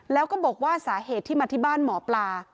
แล้วก็บอกว่าสาเหตุที่มาที่บ้านหมอปลา